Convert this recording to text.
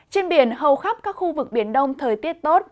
trên biển hầu khắp các khu vực biển đông thời tiết tốt